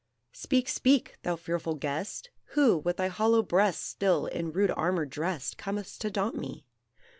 "Speak! speak! thou fearful guest! Who, with thy hollow breast Still in rude armour drest, Comest to daunt me!